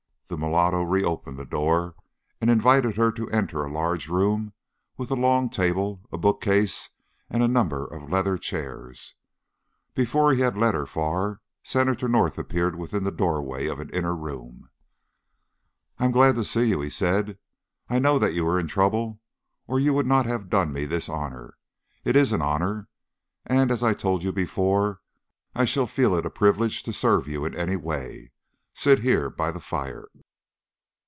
The mulatto reopened the door and invited her to enter a large room with a long table, a bookcase, and a number of leather chairs. Before he had led her far, Senator North appeared within the doorway of an inner room. "I am glad to see you," he said. "I know that you are in trouble or you would not have done me this honour. It is an honour, and as I told you before I shall feel it a privilege to serve you in any way. Sit here, by the fire."